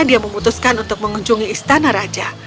dia memutuskan untuk mengunjungi istana raja